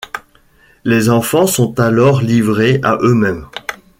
Les enfants sont alors livrés à eux-mêmes.